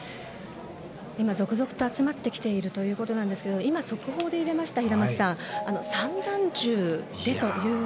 今、続々と集まってきているということですが今、速報で入れました平松さん散弾銃でという。